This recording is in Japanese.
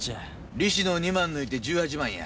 利子の２万抜いて１８万や。